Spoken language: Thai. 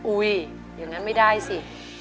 อุ๊ยอย่างนั้นไม่ได้สิ